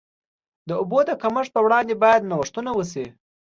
د اوبو د کمښت پر وړاندې باید نوښتونه وشي.